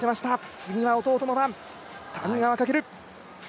次は弟の番、谷川翔。